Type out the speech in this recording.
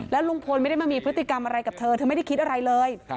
ลุงพลไม่ได้มามีพฤติกรรมอะไรกับเธอเธอไม่ได้คิดอะไรเลย